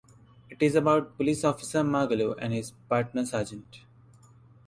It is about police officer Margallo and his partner Sgt.